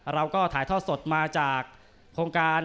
เราก็ถ่ายทอดสดมาจากโครงการ